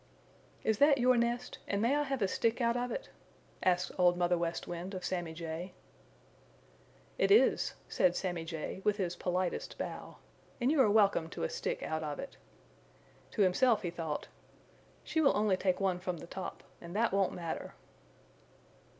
"Is that your nest, and may I have a stick out of it?" asked Old Mother West Wind of Sammy Jay. "It is," said Sammy Jay, with his politest bow, "And you are welcome to a stick out of it." To himself he thought, "She will only take one from the top and that won't matter."